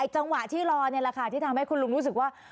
จังหวะที่รอนี่แหละค่ะที่ทำให้คุณลุงรู้สึกว่า